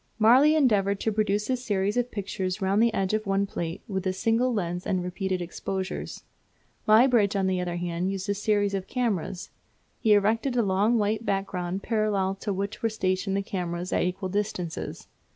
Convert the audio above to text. Marey endeavoured to produce a series of pictures round the edge of one plate with a single lens and repeated exposures. Muybridge, on the other hand, used a series of cameras. He erected a long white background parallel to which were stationed the cameras at equal distances.